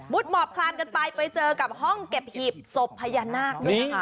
มุดหมอบคลานกันไปไปเจอกับห้องเก็บหีบศพพญานาค